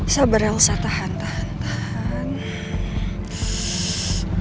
sabar elsa tahan tahan tahan